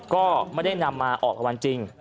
ก็ไม่ได้นำมาออกรางวัลจริง